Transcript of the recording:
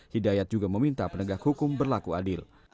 hidayat juga meminta penegak hukum berlaku adil